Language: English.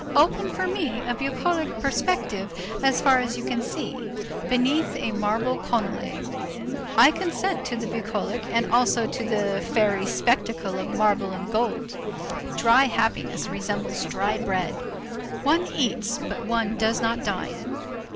Open for me a bucolic perspective as far as you can see, beneath a marble colonnade. I consent to the bucolic and also to the fairy spectacle of marble and gold. Dry happiness resembles dry bread. One eats, but one does not dine.